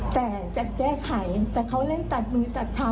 แต่จะแก้ไขแต่เขาเล่นตัดมือตัดเท้า